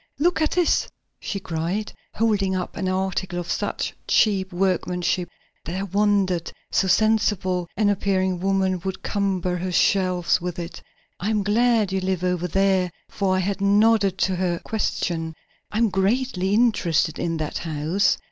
"Look at this," she cried, holding up an article of such cheap workmanship that I wondered so sensible an appearing woman would cumber her shelves with it. "I am glad you live over there," for I had nodded to her question. "I'm greatly interested in that house.